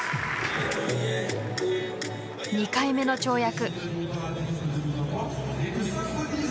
２回目の跳躍。